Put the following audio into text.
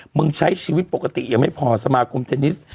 มึงใช้ชีวิตปกติยังไม่พอสมาคมเทนนิส